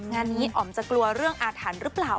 งานนี้อ๋อมจะกลัวเรื่องอาถรรพ์หรือเปล่า